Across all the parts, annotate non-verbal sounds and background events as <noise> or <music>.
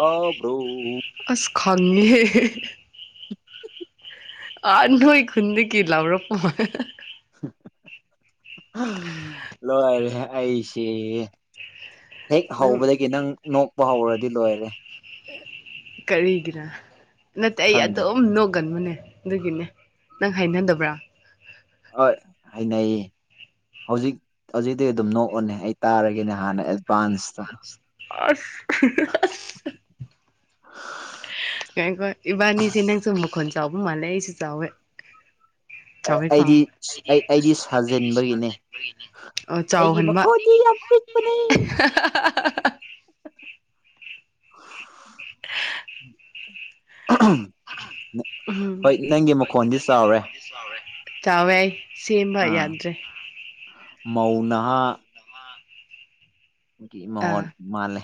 ꯑꯥꯎꯕ꯭ꯔꯣ ꯑꯁ ꯈꯪꯃꯦ ꯍꯦ ꯑ ꯅꯣꯣꯏ ꯈꯨꯟ ꯀꯔꯂꯕ꯭ꯔ ꯄ ꯂꯣꯏꯔꯦ ꯑꯁꯦ ꯍꯦꯛ ꯅꯪ ꯍꯧꯕꯗꯒꯤ ꯅꯪ ꯅꯣꯛꯄ ꯍꯧꯔꯗꯤ ꯂꯣꯏꯔꯦ ꯀꯔꯤꯒꯔ ꯅꯠꯇꯦ ꯑꯩ ꯈꯪꯗꯦ ꯑꯗꯨꯝ ꯅꯣꯛꯒꯟꯕꯅꯦ ꯑꯗꯨꯒꯤꯅꯦ ꯅꯪ ꯍꯥꯏꯅꯗꯕ꯭ꯔꯥ? ꯍꯣꯏ ꯍꯥꯏꯅꯌꯦ꯫ ꯍꯧꯖꯤꯛ ꯍꯧꯖꯤꯛꯇꯤ ꯑꯗꯨꯝ ꯅꯣꯛꯑꯣꯅꯦ ꯑꯩ ꯇꯥꯔꯒꯦꯅꯦ ꯍꯥꯟꯅ ꯑꯦꯗꯚꯥꯟꯁꯇ ꯑꯁ ꯀꯀꯣ ꯏꯕꯥꯅꯤꯁꯦ ꯅꯪꯁꯨꯨꯝ ꯃꯈ ꯈꯣꯟ ꯆꯥꯎꯕ ꯃꯥꯜꯂꯦ ꯑꯩꯁꯨ ꯆꯥꯎꯋꯦ꯫ ꯆꯥꯎꯋꯦꯀꯣ ꯑꯩꯗꯤ ꯑꯩꯗꯤ ꯁꯥꯖꯤꯟꯕꯒꯤꯅꯦ ꯑꯣ ꯑꯩꯒꯤ ꯆꯥꯎꯍꯟꯕ ꯃꯈꯣꯗꯤ ꯌꯥꯝ ꯄꯤꯛ ꯅꯦ꯫ ꯎꯝ ꯍꯣꯏ ꯅꯪꯒꯤ ꯃꯈꯣꯟꯗꯤ ꯆꯥꯎꯔꯦ꯫ ꯆꯥꯎꯋꯦ ꯑꯩ ꯁꯦꯝꯕ ꯌꯥꯗ꯭ꯔꯦ꯫ ꯍꯥꯎ ꯅꯍꯥ <inaudible> ꯒꯤ ꯃꯍꯣꯣꯟ ꯑꯥ ꯃꯥꯜꯂꯦ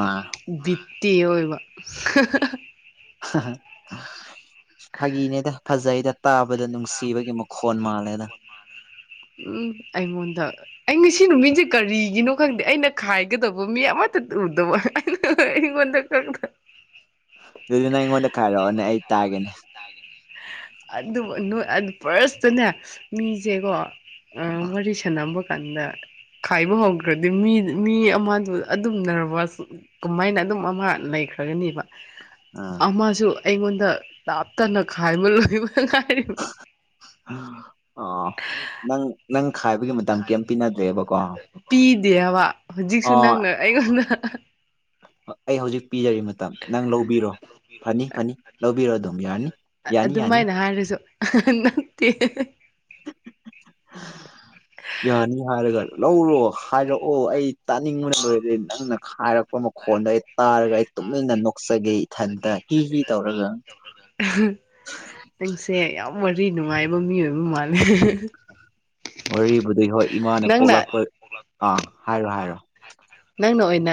ꯑꯥ ꯚꯠꯇꯤ ꯑꯣꯏꯕ ꯐꯒꯤꯅꯦꯗ ꯐꯖꯖꯩ ꯗ ꯇꯥꯕꯗ ꯅꯨꯡꯁꯤꯕꯒꯤ ꯃꯈꯣꯟ ꯃꯥꯜꯂꯦꯅ꯫ ꯎꯝ ꯑꯩꯉꯣꯟꯗ ꯑꯩ ꯉꯁꯤ ꯅꯨꯃꯤꯠꯁꯦ ꯀꯔꯤꯒꯤꯅꯣ ꯈꯪꯗꯦ ꯑꯩꯅ ꯈꯥꯏꯒꯗꯕ ꯃꯤ ꯑꯃꯠꯇ ꯎꯔꯨꯗꯕ ꯑꯩꯒꯣꯟꯗ ꯀꯪꯗ꯭ꯔ ꯑꯗꯨ ꯅꯪ ꯑꯩꯉꯣꯟꯗ ꯈꯥꯏꯔꯛꯑꯣꯅꯦ ꯑꯩ ꯇꯥꯒꯦꯅꯦ꯫ <inaudible> ꯑꯗꯨ ꯐꯥꯔꯁꯇꯅꯦ ꯃꯤꯁꯦꯀꯣ ꯑ ꯋꯥꯔꯤꯁꯅꯝꯕ ꯀꯥꯟꯗ ꯈꯥꯏꯕ ꯍꯧꯗ꯭ꯔꯗꯤ ꯃꯤ ꯃꯤ ꯑꯃꯗꯨ ꯑꯗꯨꯝꯅꯔꯕꯁ ꯀꯃꯥꯏꯅ ꯑꯗꯨꯝ ꯑꯃ ꯂꯩꯈ꯭ꯔꯒꯅꯦꯕ ꯑꯥ ꯃꯥꯁꯨ ꯑꯩꯉꯣꯟꯗ ꯂꯥꯞꯇꯅ ꯈꯥꯏꯕ ꯂꯣꯏꯕ ꯉꯥꯏꯔꯤꯕꯅꯤ꫰꫰ ꯑꯣ ꯅꯪ ꯅꯪ ꯈꯥꯏꯕꯒꯤ ꯃꯇꯝ ꯀꯩꯝ ꯄꯤꯅꯗ꯭ꯔꯦꯕꯀꯣ ꯄꯤꯗꯦꯕ ꯍꯧꯖꯤꯛꯁꯨ ꯑꯣ ꯅꯪꯅ ꯑꯩꯉꯣꯟꯗ ꯑꯩ ꯍꯧꯖꯤꯛ ꯄꯤꯖꯔꯤ ꯃꯇꯝ ꯅꯪ ꯂꯧꯕꯤꯔꯣ ꯐꯅꯤ ꯐꯅꯤ ꯂꯧꯕꯤꯔꯣ ꯑꯗꯨꯝ ꯌꯥꯔꯅꯤ꯫ ꯑꯗꯨꯃꯥꯏꯅ ꯍꯥꯏꯔꯁꯨ ꯅꯠꯇꯦ꯫ <inaudible> ꯌꯥꯅꯤ ꯍꯥꯏꯔꯒ ꯂꯧꯔꯣ ꯍꯥꯏꯔꯛꯑꯣ ꯑꯩ ꯇꯥꯅꯤꯡꯕꯗꯤ ꯅꯪꯅ ꯍꯥꯏꯔꯛꯄ ꯈꯣꯟꯗ ꯑꯩ ꯇꯥꯔꯒ ꯑꯩ ꯇꯨꯃꯤꯟꯅ ꯅꯣꯛꯆꯒꯦ ꯏꯊꯟꯇ ꯍꯤ ꯍꯤ ꯇꯧꯔꯒ <inaudible> ꯑꯩꯁꯦ ꯌꯥꯝ ꯋꯥꯔꯤ ꯅꯨꯡꯉꯥꯏꯕ ꯃꯤ ꯑꯣꯏꯕ ꯃꯥꯜꯂꯦ꯫ ꯋꯥꯔꯤꯕꯨꯗꯤ ꯍꯣꯏ ꯏꯃꯥꯅ ꯅꯪꯅ ꯄꯣꯛꯂꯛꯄ ꯑꯥ ꯍꯥꯏꯔꯣ ꯍꯥꯏꯔꯣ ꯅꯪꯅ ꯑꯣꯏꯅ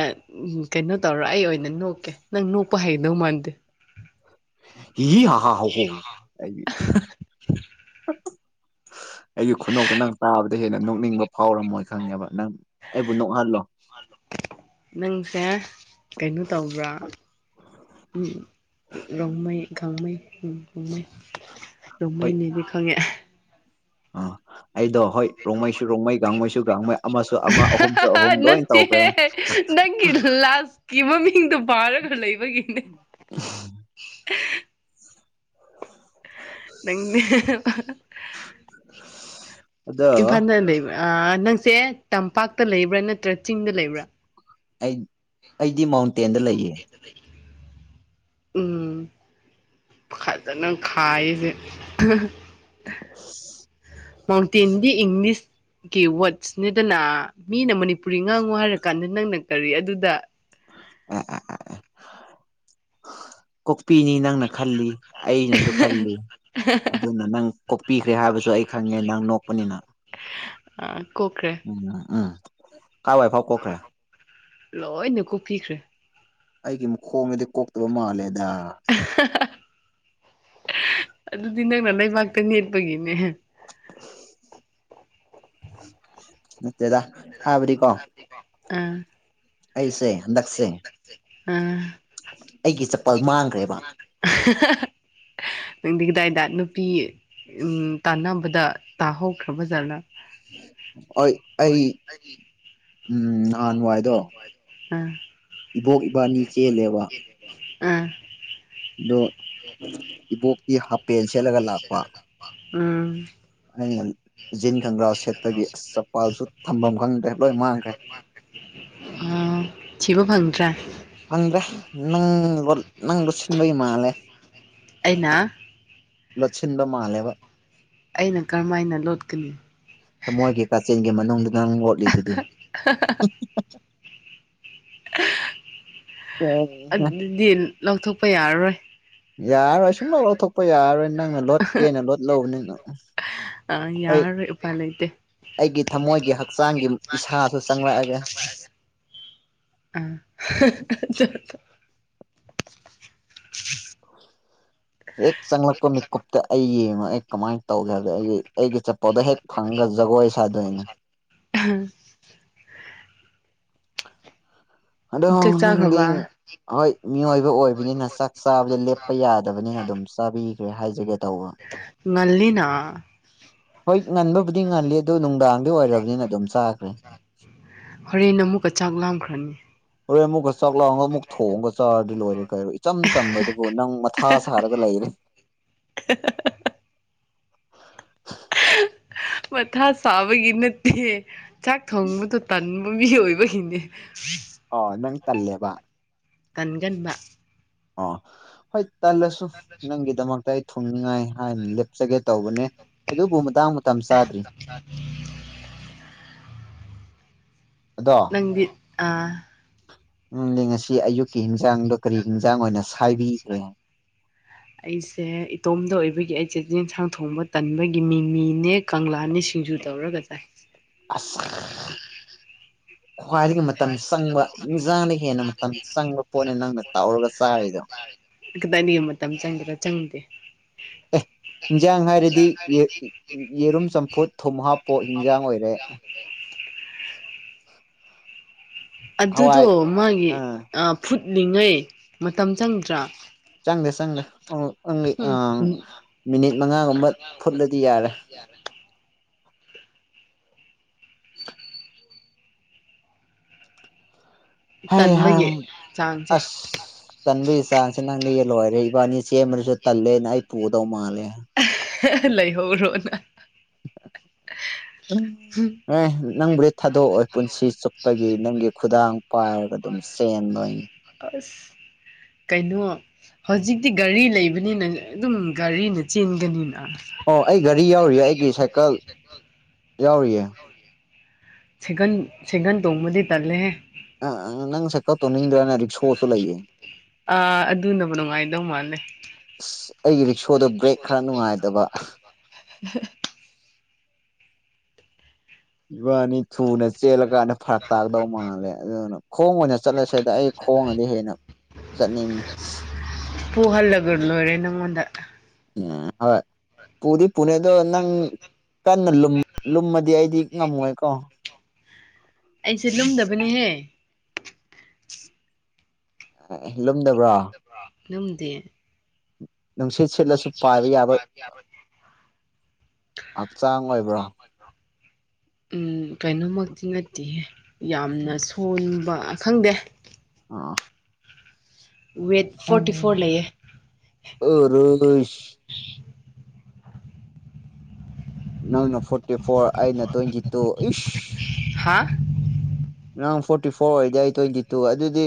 ꯀꯩꯅꯣ ꯇꯧꯔꯣ ꯑꯩ ꯑꯣꯏꯅ ꯅꯣꯛꯀꯦ ꯅꯪ ꯅꯣꯛꯄ ꯍꯩꯗꯧ ꯃꯥꯟꯗꯦ꯫ <unintelligible> ꯑꯩꯒꯤ ꯈꯨꯅꯣꯛꯇ ꯅꯪ ꯇꯥꯕꯗ ꯍꯦꯟꯅ ꯅꯣꯛꯅꯤꯡꯕ ꯐꯥꯎꯔꯝꯃꯣꯏ ꯈꯪꯉꯦꯕ ꯅꯪ ꯑꯩꯕꯨ ꯅꯣꯛꯍꯜꯂꯣ꯫ ꯅꯪꯁꯦ꯫ ꯀꯩꯅꯣ ꯇꯧꯕ꯭ꯔꯥ ꯔꯣꯡꯃꯩ꯫ ꯔꯣꯡꯃꯩ ꯍꯣꯏ ꯅꯦꯗꯤ ꯈꯪꯉꯦ꯫ ꯑꯩꯗꯣ ꯍꯣꯏ ꯔꯣꯡꯃꯩꯁꯨ ꯔꯣꯡꯃꯩ ꯥꯡꯉꯩꯁꯨ ꯥꯡꯉꯩ ꯑꯃꯁꯨ ꯑꯃ ꯑꯍꯨꯝꯁꯨ ꯑꯍꯨꯝ ꯂꯣꯏ ꯅꯠꯇꯦꯍꯦ ꯇꯧꯈ꯭ꯔꯦ꯫ ꯅꯪꯒꯤ ꯀꯤ ꯃꯃꯤꯡꯗꯣ ꯄꯥꯔ ꯈ ꯂꯩꯕꯒꯤꯅꯦ꯫ ꯅꯪꯅ ꯑꯗꯣ ꯏꯝꯐꯥꯟꯖ ꯂꯩꯕ꯫ ꯅꯪꯁꯦ ꯇꯝꯄꯥꯛꯇ ꯂꯩꯕ꯭ꯔꯥ ꯅꯠꯇ꯭ꯔꯥ ꯆꯤꯡꯗ ꯂꯩꯕ꯭ꯔꯥ ꯑꯩ ꯑꯩꯗꯤ ꯃꯥꯎꯟꯇꯦꯟꯗ ꯂꯩꯌꯦ꯫ ꯎꯝ ꯐꯖꯅ ꯈꯥꯏꯌꯦ <unintelligible> ꯃꯥꯎꯟꯇꯦꯟꯗꯤ ꯏꯪꯂꯤꯁ ꯀꯤ ꯋꯥꯔꯗꯁꯅꯦꯗꯅ ꯃꯤꯅ ꯃꯅꯤꯄꯨꯔꯤ ꯉꯥꯡꯉꯨ ꯍꯥꯏꯔ ꯀꯥꯟꯗ ꯅꯪꯅ ꯀꯔꯤ ꯑꯗꯨꯗ <unintelligible> ꯀꯣꯛꯄꯤꯅꯤ ꯅꯪꯅ ꯈꯜꯂꯤ ꯑꯩꯅꯁꯨ ꯈꯜꯂꯤ ꯑꯗꯨꯅ ꯅꯪ ꯀꯣꯛꯄꯤꯈ꯭ꯔꯦ ꯍꯥꯏꯕꯁꯨ ꯑꯩ ꯈꯪꯉꯦ ꯅꯪ ꯅꯣꯛꯄꯅꯤꯅ ꯀꯣꯈ꯭ꯔꯦ ꯎꯝ ꯎꯝ ꯀꯥꯏꯋꯥꯏꯐꯥꯎ ꯀꯣꯛꯈ꯭ꯔꯦ ꯂꯣꯏꯅ ꯀꯣꯛꯄꯤꯈ꯭ꯔꯦ ꯑꯩꯒꯤ ꯈꯣꯡꯉꯗꯤ ꯀꯣꯛꯇꯕ ꯃꯥꯜꯂꯦꯗ ꯑꯗꯨꯗꯤ ꯅꯪꯅ ꯂꯩꯕꯥꯛꯇ ꯅꯦꯠꯄꯒꯤꯅꯦ <unintelligible> ꯍꯥꯥꯕꯔꯤ ꯀꯣ ꯎꯝ ꯍꯟꯗꯛꯁꯦ ꯑꯥ ꯑꯩꯒꯤ ꯆꯄꯜ ꯃꯥꯡꯈ꯭ꯔꯦꯕ <unintelligible> ꯅꯨꯡꯗꯤ ꯀꯗꯥꯏꯗ ꯅꯨꯄꯤ ꯎꯝ ꯇꯥꯟꯅꯕꯗ ꯇꯥꯍꯧꯈ꯭ꯔꯕꯖꯥꯠꯅ ꯍꯣꯏ ꯑꯩ <unintelligible> ꯎꯝ ꯅꯍꯥꯟꯋꯥꯏꯗꯣ ꯏꯕꯣꯛ ꯏꯕꯥꯅꯤ ꯆꯦꯜꯂꯦꯕ <unintelligible> ꯑꯗꯣ ꯏꯕꯣꯛꯇꯤ ꯍꯥꯄꯦꯟ ꯁꯦꯠꯂꯒ ꯂꯥꯛꯄ ꯎꯝ ꯑꯩꯅ ꯖꯤꯟ ꯈꯪꯒ꯭ꯔꯥ ꯁꯦꯠꯄꯒꯤ ꯆꯄꯥꯜꯁꯨ ꯊꯝꯐꯝ ꯈꯪꯗ꯭ꯔꯦ ꯂꯣꯏ ꯃꯥꯡꯈ꯭ꯔꯦ ꯎꯝ ꯊꯤꯕ ꯐꯪꯗ꯭ꯔꯦ ꯐꯪꯗ꯭ꯔꯦ ꯅꯪ ꯅꯪ ꯂꯣꯠ ꯁꯤꯟꯕꯩ ꯃꯥꯜꯂꯦ ꯑꯩꯅꯥ ꯂꯣꯠꯁꯤꯟꯕ ꯃꯥꯜꯂꯦꯕ ꯑꯩꯅ ꯀꯔꯝꯍꯥꯏꯅ ꯂꯣꯠꯀꯅꯤ ꯃꯣꯏꯒꯤ ꯀꯥꯆꯤꯟꯒꯤ ꯃꯅꯨꯡꯗ ꯅꯪ ꯂꯣꯠꯂꯤꯗꯨꯗꯤ <unintelligible> ꯑꯗꯨꯗꯤ ꯂꯧꯊꯣꯛꯄ ꯌꯥꯔꯔꯣꯏ ꯌꯥꯔꯣꯏ ꯁꯨꯡꯂꯧ ꯂꯧꯊꯣꯛꯄ ꯌꯥꯔꯔꯣꯏ ꯅꯪꯅ ꯂꯣꯠꯀꯦꯅ ꯂꯣꯠ ꯂꯧꯕꯅꯤꯅ ꯑ ꯌꯥꯔ ꯐꯜꯩꯗ ꯑꯩꯒꯤ ꯊꯝꯃꯣꯏꯒꯤ ꯍꯛꯆꯥꯡꯒꯤ ꯏꯁꯥꯁꯨ ꯆꯪꯂꯛꯑꯒꯦ ꯑ ꯆ ꯑꯦ ꯆꯪꯂ ꯀꯣ ꯃꯤ ꯀꯨꯞꯇ ꯑꯌꯦ ꯀꯃꯥꯏ ꯇꯧꯒꯦ ꯍꯥꯏꯕ ꯑꯩꯒꯤ ꯑꯩꯒꯤ ꯆꯠꯄꯣꯗꯣ ꯍꯦꯛ ꯐꯪꯉꯒ ꯖꯒꯣꯏ ꯁꯥꯗꯣꯏꯅꯦ ꯎꯝ ꯑꯗꯣꯗꯤ ꯍꯣꯏ ꯃꯤꯑꯣꯏꯕ ꯑꯣꯏꯕꯅꯤꯅ ꯆꯥꯛ ꯆꯥꯕꯗ ꯂꯦꯞꯄ ꯌꯥꯗꯕꯅꯤꯅ ꯑꯗꯨꯝ ꯆꯥꯕꯤꯈ꯭ꯔꯦ ꯍꯥꯏꯖꯒꯦ ꯇꯧꯕ ꯉꯜꯂꯤꯅꯥ ꯍꯣꯏ ꯉꯟꯕꯕꯨꯗꯤ ꯉꯜꯂꯤ ꯑꯗꯨ ꯅꯨꯡꯗꯥꯡꯗꯤ ꯑꯣꯏꯔꯕꯅꯤꯅ ꯑꯗꯨꯝ ꯆꯥꯈ꯭ꯔꯦ ꯍꯣꯔꯦꯟ ꯅ ꯑꯃꯨꯛꯀ ꯆꯥꯛ ꯂꯥꯝꯈ꯭ꯔꯅꯤ ꯍꯣꯔꯦ ꯑꯃꯨꯛꯀ ꯆꯥꯛ ꯂꯥꯎꯒ ꯑꯃꯨꯛ ꯊꯣꯡꯉꯒ ꯆꯥꯔꯗꯤ ꯂꯣꯏꯔꯦ ꯀꯥꯏꯔꯣ ꯏꯆꯝ ꯆꯝꯕꯗꯨꯕꯨ ꯅꯪ ꯃꯊꯥ ꯁꯥꯔꯒ ꯂꯩꯔꯦ <unintelligible> ꯃꯊꯥ ꯆꯥꯕꯒꯤ ꯅꯠꯇꯦ ꯆꯥꯛ ꯊꯣꯡꯕꯗ ꯇꯟꯕ ꯃꯤ ꯑꯣꯏꯕꯒꯤꯅꯦ ꯑꯣ ꯅꯪ ꯇꯜꯂꯦꯕ ꯀꯟꯒꯟꯕ ꯑ ꯍꯣꯏ ꯇꯜꯂꯁꯨ ꯅꯪꯒꯤꯗꯃꯛꯇ ꯑꯩ ꯊꯨꯡꯅꯤꯡꯉꯥꯏ ꯍꯥꯏꯅꯞ ꯍꯥꯞꯆꯒꯦ ꯇꯧꯕꯅꯦ ꯑꯗꯨꯕꯨ ꯃꯇꯥꯡ ꯃꯇꯝ ꯆꯥꯗ꯭ꯔꯤ ꯑꯗꯣ ꯁꯪꯒꯤꯤꯠ ꯑ ꯎꯅꯦ ꯉꯁꯤ ꯑꯌꯨꯛꯀꯤ ꯍꯤꯟꯖꯥꯡꯗꯣ ꯀꯔꯤ ꯍꯤꯟꯖꯥꯡ ꯑꯣꯏꯅ ꯁꯥꯏꯕꯤꯈ꯭ꯔꯦ ꯑꯩꯁꯦ ꯏꯇꯣꯝꯗ ꯑꯣꯏꯕꯒꯤ ꯑꯩꯁꯦ ꯆꯟꯁꯥꯡ ꯊꯣꯡꯕ ꯇꯟꯕꯒꯤ ꯃꯤꯡ ꯃꯤꯅꯦ ꯀꯪꯂꯥꯅꯤ ꯁꯤꯡꯖꯨ ꯇꯧꯔꯒ ꯆꯥꯏ ꯑꯁ ꯈ꯭ꯋꯥꯏꯗꯒꯤ ꯃꯇꯝ ꯆꯪꯕ ꯍꯟꯖꯥꯡꯗ ꯍꯦꯟꯅ ꯃꯇꯝ ꯆꯪꯕ ꯄꯣꯠꯅꯤ ꯅꯪꯅ ꯇꯧꯔꯒ ꯆꯥꯔꯤꯗꯣ ꯈꯤꯇꯪꯅꯤ ꯃꯇꯝ ꯆꯪꯒꯦꯗ ꯆꯪꯗꯦ ꯑꯦ ꯍꯤꯟꯖꯥꯡ ꯍꯥꯏꯔꯗꯤ ꯌꯦꯔꯨꯝ ꯆꯝꯐꯨꯠ ꯊꯨꯝ ꯍꯥꯞꯄꯣ ꯍꯤꯟꯖꯥꯡ ꯑꯣꯏꯔꯦ ꯑꯗꯨꯗꯣ ꯍꯋꯥꯏ ꯃꯥꯒꯤ ꯑꯥ ꯐꯨꯠꯂꯤꯉꯩ ꯃꯇꯝ ꯆꯪꯗ꯭ꯔꯥ ꯆꯪꯗꯦ ꯆꯪꯗꯦ ꯎꯝ ꯃꯤꯅꯤꯠ ꯃꯉꯥꯒꯨꯝꯕ ꯐꯨꯠꯂꯗꯤ ꯌꯥꯔꯦ ꯍ ꯇꯟꯕꯒꯤ ꯍꯥꯏ ꯆꯥꯡꯁꯦ ꯑꯁ ꯇꯟꯕꯒꯤ ꯆꯥꯡꯁꯦ ꯅꯪꯅ ꯌꯦ ꯂꯣꯏꯔꯦ ꯏꯕꯥꯅꯤ ꯁꯦꯝꯃꯔꯁꯨ ꯇꯜꯂꯦꯅ ꯑꯩ ꯄꯨꯗꯧ ꯃꯥꯜꯂꯦ ꯂꯩꯍꯧꯔꯣꯅ ꯎꯝ ꯑꯦ ꯅꯪꯕꯨꯗꯤ ꯊꯥꯗꯣꯛꯑꯣꯏ ꯄꯨꯟꯁꯤ ꯆꯨꯞꯄꯒꯤ ꯅꯪꯒꯤ ꯈꯨꯗꯥꯡ ꯄꯥꯏꯔꯒ ꯑꯗꯨꯝ ꯆꯦꯟꯂꯣꯏꯅꯤ ꯑꯀꯁ ꯀꯩꯅꯣ ꯍꯧꯖꯤꯛꯇꯤ ꯒꯥꯔꯤ ꯂꯩꯕꯅꯤꯅ ꯑꯗꯨꯝ ꯒꯥꯔꯤ ꯅ ꯆꯤꯟꯒꯅꯤꯅ ꯑꯣ ꯑꯩ ꯒꯥꯔꯤ ꯌꯥꯎꯔꯤꯌꯦ ꯑꯩꯒꯤ ꯁꯥꯏꯀꯜ ꯌꯥꯎꯔꯤꯌꯦ ꯁꯦꯒꯟ ꯁꯦꯒꯟ ꯇꯣꯡꯕꯗꯤ ꯇꯜꯂꯦꯍꯦ ꯑ ꯅꯪꯁꯦ ꯀꯠꯇꯣ ꯅꯤꯡꯗ꯭ꯔ ꯑꯩꯅ ꯔꯤꯛꯁꯣꯁꯨ ꯂꯩꯌꯦꯦ ꯑ ꯑꯗꯨꯕꯨ ꯅꯨꯡꯉꯥꯏꯗꯧ ꯃꯥꯜꯂꯦ ꯑꯁ ꯑꯩꯒꯤ ꯔꯤꯛꯁꯣꯗ ꯕ꯭ꯔꯦꯛ ꯈꯔ ꯅꯨꯡꯉꯥꯏꯗꯕ ꯏꯕꯥꯅꯤ ꯊꯨꯅ ꯆꯦꯜꯂ ꯀꯥꯟꯗ ꯐꯔꯛ ꯇꯥꯛꯗꯧ ꯃꯥꯜꯂꯦ ꯑꯗꯨꯅ ꯈꯣꯡ ꯑꯣꯏꯅ ꯆꯠꯂꯁꯤꯗ ꯑꯩ ꯈꯣꯡꯉꯗꯤ ꯍꯦꯟꯅ ꯆꯠꯅꯤꯡꯉꯤ ꯄꯨꯨꯍꯜꯂꯒ ꯂꯣꯏꯔꯦ ꯅꯪꯉꯣꯟꯗ ꯎꯝ ꯍꯣꯏ ꯄꯨꯗꯤ ꯄꯨꯅꯦ ꯑꯗꯣ ꯅꯪ ꯀꯟꯅ ꯂꯨꯝꯃꯗꯤ ꯑꯩꯗꯤ ꯉꯝꯃꯣꯏꯀꯣ ꯑꯩꯁꯦ ꯂꯨꯝꯗꯕꯅꯦꯍꯦ ꯂꯨꯝꯗꯕ꯭ꯔꯣ ꯂꯨꯝꯗꯤꯌꯦ ꯅꯨꯡꯁ ꯍꯛꯆꯥꯡ ꯑꯣꯏꯕ꯭ꯔꯣ <unintelligible> ꯎꯝ ꯀꯩꯅꯣꯃꯛꯇꯤ ꯅꯠꯇꯦꯍꯦ ꯌꯥꯝꯅ ꯁꯣꯟꯕ ꯈꯪꯗꯦ <inaudible> ꯋꯦꯠ ꯐꯣꯔꯇꯤ ꯐꯣꯔ ꯂꯩꯌꯦ <unintelligible> ꯅꯪꯅ ꯐꯣꯔꯇꯤ ꯐꯣꯔ ꯑꯩꯅ ꯇ꯭ꯋꯦꯟꯇꯤ ꯇꯨ ꯏ ꯍꯥ ꯅꯥꯡ ꯐꯣꯔꯇꯤ ꯐꯣꯔ ꯑꯣꯏꯔꯗꯤ ꯑꯩ ꯇ꯭ꯋꯦꯟꯇꯤ ꯇꯨ ꯑꯗꯨꯗꯤ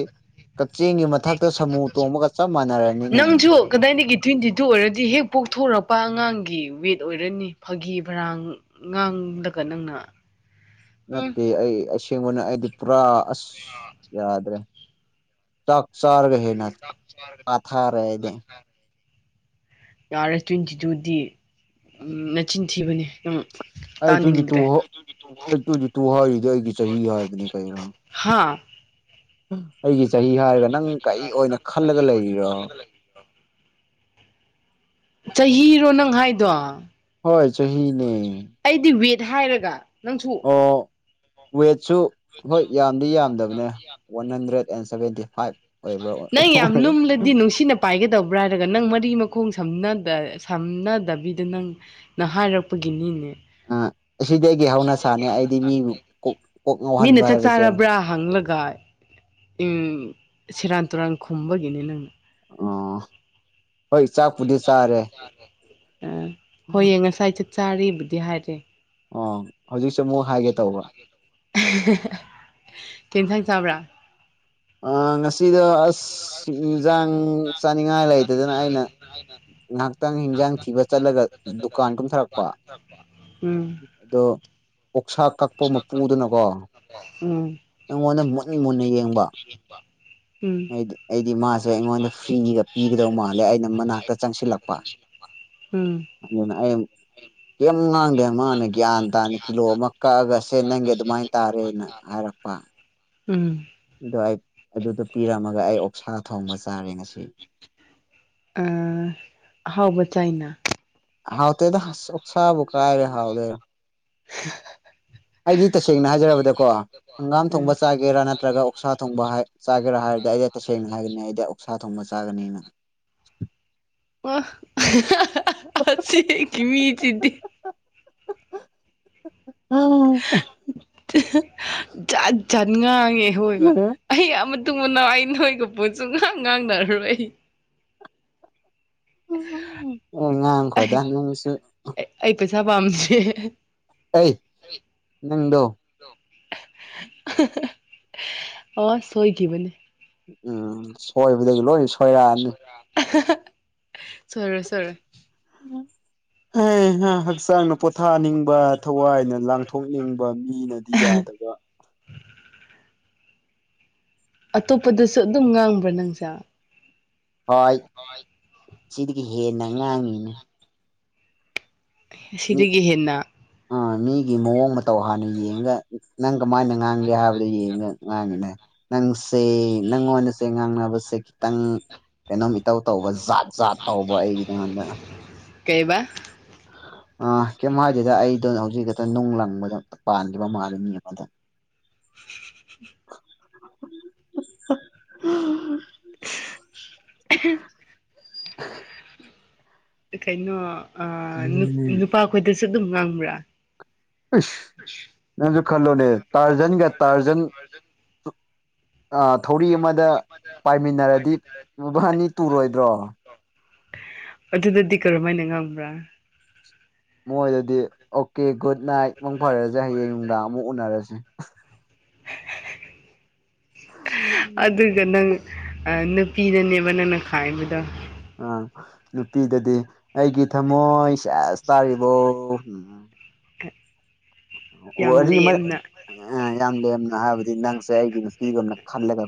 ꯀꯛꯆꯤꯡꯒꯤ ꯃꯊꯛꯇ ꯁꯃꯨ ꯇꯣꯡꯕꯒ ꯆꯞ ꯃꯥꯟꯅꯔꯅꯤꯅꯦ ꯀꯗꯥꯅꯤ ꯇ꯭ꯋꯦꯟꯇꯤ ꯇꯨ ꯑꯣꯏꯔꯗꯤ ꯍꯦꯛ ꯄꯣꯛꯊꯣꯔꯛꯄ ꯑꯉꯥꯡꯒꯤ ꯋꯦꯠ ꯑꯣꯏꯔꯅꯤ ꯐꯥꯒꯤ ꯕꯔꯥꯡ ꯉꯥꯡꯂꯒ ꯅꯪꯅ <inaudible> ꯎꯝ ꯅꯠꯇꯦ ꯑꯩ ꯑꯁꯦꯡꯕꯅ ꯑꯩꯗꯤ ꯄꯨꯔꯥ ꯑꯁ ꯌꯥꯗ꯭ꯔꯦ ꯆꯛꯆꯔꯒ ꯍꯦꯅ ꯄꯥꯊꯥꯔꯗꯦ ꯌꯥꯔꯦ ꯇ꯭ꯋꯦꯟꯇꯤ ꯇꯨꯗꯤ ꯅꯆꯤꯟ ꯊꯤꯕꯅꯦ ꯑꯗꯨ ꯑꯩ ꯇꯨꯡ ꯇꯨ ꯑꯩ ꯇꯨꯡꯁꯨ ꯇꯨ ꯍꯥꯏꯔꯤꯗꯤ ꯑꯩꯒꯤ ꯆꯍꯤ ꯍꯥꯏꯕꯅꯤ ꯀꯩꯔꯥ ꯍꯥ ꯑꯩꯒꯤ ꯆꯍꯤ ꯍꯥꯏꯔꯒ ꯅꯪ ꯀꯔꯤ ꯑꯣꯏꯅ ꯈꯜꯂꯒ ꯂꯩꯔꯤꯔꯣ <inaudible> ꯆꯍꯤꯔꯣ ꯅꯪ ꯍꯥꯏꯗꯣ ꯍꯣꯏ ꯆꯍꯤꯅꯦ ꯑꯩꯗꯤ ꯋꯦꯠ ꯍꯥꯏꯔꯒ ꯅꯪꯁꯨ ꯑꯣꯏꯋꯁꯨꯨ ꯍꯣꯏ ꯌꯥꯝꯗꯤ ꯌꯥꯝꯗꯕꯅꯦ one hundred and seventy five ꯑꯣꯏꯕ꯭ꯔꯥ ꯅ ꯀꯩꯅꯣ ꯌꯥꯝꯅ ꯑꯣꯏ ꯈꯜꯂꯗꯤ ꯅꯨꯡꯁꯤꯅ ꯄꯥꯏꯒꯗꯧꯕ꯭ꯔꯥ ꯍꯥꯏꯔꯒ ꯅꯪ ꯃꯔꯤ ꯃꯈꯣꯡ ꯁꯝꯅ ꯁꯝꯅꯗꯕꯤꯗ ꯅꯪ ꯅꯍ ꯍꯥꯏꯔꯛꯄꯒꯤꯅꯤꯅꯦ ꯑꯥ ꯑꯁꯤꯗꯤ ꯑꯩꯒꯤ ꯍꯧꯅꯁꯥꯅꯦ ꯑꯩꯗꯤ ꯃꯤꯕꯨ ꯀꯣꯛ ꯀꯣꯛ ꯃꯤꯅ ꯉꯥꯎꯍꯟꯕ ꯆꯥꯛ ꯍꯥꯏꯕꯁꯦ ꯆꯥꯔꯕ꯭ꯔꯥ ꯍꯪꯂꯒ ꯎ ꯁꯦꯔꯥꯟ ꯇꯨꯔꯥꯟ ꯈꯨꯝꯕꯒꯤꯅꯤ ꯅꯪꯅ ꯑꯣ ꯍꯣꯏ ꯆꯥꯛꯄꯨꯗꯤ ꯆꯥꯔꯦ ꯑ ꯍꯣꯏꯌꯦꯡ ꯉꯁꯥꯏ ꯆꯠ ꯆꯥꯔꯤꯕꯕꯨꯗꯤ ꯍꯥꯏꯔꯦ ꯑꯣ ꯍꯧꯖꯤꯛꯁꯨꯦ ꯑꯃꯨꯛ ꯍꯥꯏꯒꯦ ꯇꯧꯕ ꯇꯦꯟꯁꯥꯡ ꯆꯥꯕ꯭ꯔꯥ ꯑ ꯉꯁꯤꯗ ꯑꯁ ꯏꯟꯁꯥꯡ ꯆꯥꯅꯤꯡꯉꯥꯏ ꯂꯩꯗꯗꯅ ꯑꯩꯅ ꯉꯥꯏꯍꯥꯛꯇꯪ ꯍꯤꯟꯖꯥꯡ ꯊꯤꯕ ꯆꯠꯂꯒ ꯗꯨꯀꯥꯟ ꯀꯨꯝꯊꯔꯛꯄ ꯎꯝ ꯑꯗꯣ ꯑꯣꯛꯁꯥ ꯀꯛꯄ ꯃꯄꯨꯗꯨꯅꯀꯣ ꯎꯝ ꯅꯣꯟꯅ ꯃꯅꯤ ꯃꯅꯤꯒ <inaudible> ꯍꯥꯏꯗꯤ ꯑꯩꯗꯤ ꯃꯥꯁꯦ ꯑꯩꯉꯣꯟꯗ ꯐ꯭ꯔꯤꯒ ꯄꯤꯒꯗꯧ ꯃꯥꯜꯂꯦ ꯑꯩꯅ ꯃꯅꯥꯛꯇ ꯆꯪꯁꯤꯜꯂꯛꯄ ꯎꯝ ꯑ ꯀꯩ ꯉꯥꯡꯗꯦ ꯃꯥꯅ ꯒ꯭ꯌꯥꯟ ꯇꯥꯅꯤ ꯀꯤꯂꯣ ꯑꯃ ꯀꯛꯑꯒ ꯁꯦ ꯅꯪꯒꯦ ꯑꯗꯨꯃꯥꯏꯅ ꯇꯥꯔꯦꯅ ꯍꯥꯏꯔꯛꯄ ꯄ ꯎꯝ ꯑꯗꯣ ꯑꯩ ꯑꯗꯨꯗꯣ ꯄꯤꯔꯝꯃꯒ ꯑꯩ ꯑꯣꯛꯁꯥ ꯊꯣꯡꯕ ꯆꯥꯔꯦ ꯉꯁꯤ ꯑꯍꯥꯎꯕ ꯆꯥꯏꯅꯥ ꯍꯥꯎ ꯇꯗ ꯑꯣꯞꯁꯕ ꯀꯥꯏꯔꯦ ꯍꯥꯎꯗꯦ <unintelligible> ꯑꯩꯗꯤ ꯇꯁꯦꯡꯅ ꯍꯥꯏꯖꯔꯕꯗꯀꯣ ꯍꯪꯒꯥꯝ ꯊꯣꯡꯕ ꯆꯥꯒꯦꯔꯥ ꯅꯠꯇ꯭ꯔꯒ ꯎꯛꯁꯥ ꯊꯣꯡꯕ ꯍꯥꯏ ꯆꯥꯒꯦꯔꯥ ꯍꯥꯏꯔꯗꯤ ꯑꯩꯗꯤ ꯇꯁꯦꯡꯅ ꯍꯥꯏꯒꯅꯤ ꯑꯩꯗꯤ ꯑꯣꯛꯁꯥ ꯊꯣꯡꯕ ꯆꯥꯒꯅꯤꯅ ꯑ ꯑꯁꯤ ꯃꯤ ꯆꯗꯤ ꯑꯝ ꯖꯥꯠ ꯖꯠ ꯉꯥꯡꯉꯦ ꯍꯣꯏꯕ ꯑꯩ ꯑꯃ ꯃꯅꯥꯎꯏ ꯅꯣꯏꯒ ꯄꯣꯠꯁꯨ ꯉꯍꯥꯛ ꯉꯥꯡꯅꯔꯔꯣꯏ ꯑꯩ ꯑꯣ ꯉꯥꯡ ꯑꯩ ꯈꯣꯗꯥ ꯅꯪꯁꯨ ꯑꯩ ꯄꯩꯁꯥ ꯄꯥꯝꯁꯦ ꯑꯩ ꯅꯪꯗꯣ ꯑꯣ ꯁꯣꯏꯒꯤꯕꯅꯤ ꯎꯝ ꯁꯣꯏꯕꯗꯒꯤ ꯂꯣꯏ ꯁꯣꯏꯔꯛꯑꯅꯤ ꯁꯔꯦ ꯁꯔꯦ ꯍꯛꯆꯥꯡꯅ ꯄꯣꯊꯥꯅꯤꯡꯕ ꯊꯋꯥꯏꯅ ꯂꯥꯡꯊꯣꯛꯅꯤꯡꯕ ꯃꯤꯅꯗꯤ ꯌꯥꯗꯕ ꯑꯇꯣꯞꯄꯗꯁꯨ ꯑꯗꯨꯝ ꯉꯥꯡꯕ꯭ꯔꯥ ꯅꯪꯁꯦ ꯍꯣꯏ ꯁꯤꯗꯒꯤ ꯍꯦꯟꯅ ꯉꯥꯡꯉꯤꯅ ꯃꯤ ꯑꯁꯤꯗꯒꯤ ꯍꯦꯟꯅ ꯑ ꯅꯣꯢꯒꯤ ꯃꯑꯣꯡ ꯃꯇꯧ ꯍꯥꯟꯅ ꯌꯦꯡꯒ ꯅꯪ ꯀꯃꯥꯏꯅ ꯉꯥꯡꯒꯦ ꯍꯥꯏꯕꯗꯨ ꯌꯦꯡꯉ ꯉꯥꯡꯉꯤꯅꯦ ꯅꯪꯁꯦ ꯅꯪꯉꯣꯟꯗꯁꯦ ꯉꯥꯡꯅꯕꯁꯦ ꯈꯤꯇꯪ ꯀꯩꯅꯣꯝ ꯏꯇꯧ ꯇꯧꯕ ꯖꯥꯠ ꯖꯥꯠ ꯇꯧꯕ ꯑꯩꯒꯤ ꯅꯉꯣꯟꯗ ꯀꯩꯕꯥ ꯑꯥ ꯑꯥ ꯀꯩꯝ ꯍꯥꯏꯗꯦꯗ ꯑꯩꯗꯣ ꯍꯧꯖꯤꯛ ꯈꯛꯇ ꯅꯨꯡ ꯂꯪꯕꯗ ꯄꯥꯟꯗꯕ ꯃꯥꯜꯂꯦ ꯃꯤ ꯑꯃꯗ <unintelligible> <inaudible> <inaudible> ꯀꯩꯅꯣ ꯎꯝ ꯅꯨꯄꯥ ꯈꯣꯏꯗꯁꯨ ꯑꯗꯨꯝ ꯉꯥꯡꯕ꯭ꯔꯥ ꯏꯁꯁ ꯅꯪꯁꯨ ꯈꯜꯂꯣꯅꯦ ꯇꯥꯔꯖꯟꯒ ꯇꯥꯔꯖꯟ ꯑ ꯊꯧꯔꯤ ꯑꯃꯗ ꯄꯥꯏꯃꯤꯟꯅꯔꯗꯤ ꯕꯥꯅꯤ ꯇꯨꯔꯣꯏꯗ꯭ꯔꯣ ꯑꯗꯨꯗꯗꯤ ꯀꯔꯝꯍꯥꯏꯅ ꯉꯥꯡꯕ꯭ꯔꯥ ꯃꯣꯏꯗꯗꯤ ꯑꯣꯀꯦ ꯒꯨꯗ ꯅꯥꯏꯠ ꯃꯪ ꯐꯔꯁꯦ ꯍꯌꯦꯡ ꯅꯨꯡꯗꯥꯡ ꯑꯃꯨꯛ ꯎꯅꯔꯁꯤ ꯎꯝ ꯑꯗꯨꯗ ꯅꯪ <unintelligible> ꯄꯤꯗꯅꯦꯕ ꯅꯪꯅ ꯈꯥꯏꯕꯗꯣ ꯑꯥ ꯅꯨꯄꯤꯗꯗꯤ ꯑꯩꯒꯤ ꯊꯝꯃꯣꯏ ꯁꯦꯁ ꯇꯥꯔꯤꯕꯣ ꯎꯝ ꯌꯥꯝ ꯋꯥꯔꯤ ꯑꯃ ꯂꯦꯝꯅ ꯌꯥꯝ ꯂꯦꯝꯅ ꯍꯥꯏꯕꯗꯤ ꯅꯪꯁꯦ ꯑꯩꯒꯤ ꯅꯨꯄꯤꯒꯨꯝꯅ ꯈꯜꯂ‌ꯦꯒ